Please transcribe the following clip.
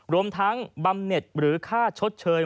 รวมทั้งบำเน็ตหรือค่าชดเชย